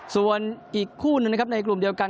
ส่วนอีกคู่หนึ่งนะครับในกลุ่มเดียวกัน